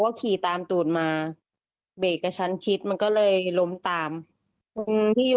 มันมีมอเตอร์ไซด์คันก่อนหน้าเนี่ย